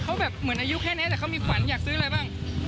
เขาแบบเหมือนอายุแค่นี้แต่เขามีขวัญอยากซื้ออะไรบ้าง